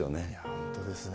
本当ですね。